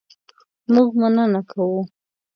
مونږ مننه کوو